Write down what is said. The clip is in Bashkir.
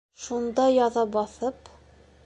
Шунда яҙа баҫып...